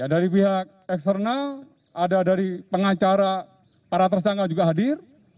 kemudian kita juga menghadirkan para pihak eksternal ada dari pengacara para tersangka juga hadir